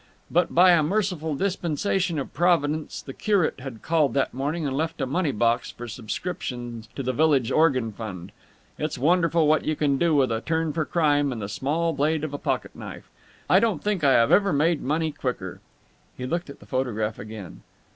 But by a merciful dispensation of Providence the curate had called that morning and left a money box for subscriptions to the village organ fund.... It's wonderful what you can do with a turn for crime and the small blade of a pocket knife! I don't think I have ever made money quicker!" He looked at the photograph again.